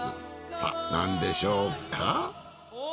さあなんでしょうか？